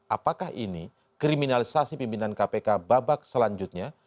apakah ini kriminalisasi pimpinan kpk babak selanjutnya